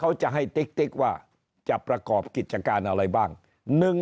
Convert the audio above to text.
เขาจะให้ติ๊กว่าจะประกอบกิจการอะไรบ้าง